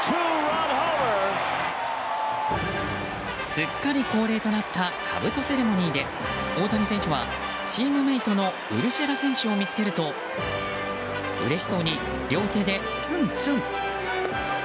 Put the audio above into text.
すっかり恒例となったかぶとセレモニーで大谷選手は、チームメートのウルシェラ選手を見つけるとうれしそうに、両手でツンツン。